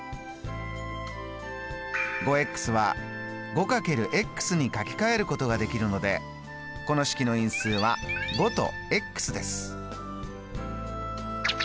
５は５×に書きかえることができるのでこの式の因数は５とです。